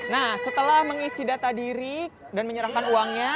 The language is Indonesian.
nah setelah mengisi data diri dan menyerahkan uangnya